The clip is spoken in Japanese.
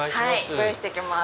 ご用意してきます